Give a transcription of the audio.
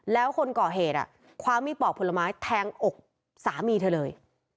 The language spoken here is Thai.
แล้วคนก่อเหตุคว้ามีดปอกผลไม้แทงอกสามีเธอเลย